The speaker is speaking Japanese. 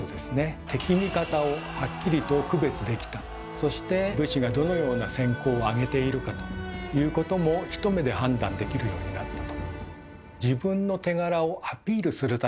そして武士がどのような戦功をあげているかということも一目で判断できるようになったと。